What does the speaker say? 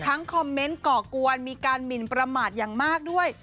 คอมเมนต์ก่อกวนมีการหมินประมาทอย่างมากด้วย